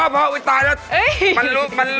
พอตายแล้ว